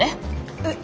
えっ？